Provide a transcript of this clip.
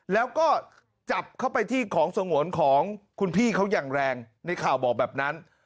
แล้วก็จับเข้าไปที่ของสงวนของคุณพี่เขาอย่างแรงในข่าวบอกแบบนั้น